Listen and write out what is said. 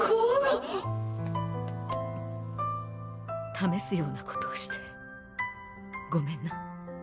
試すようなことをしてごめんな。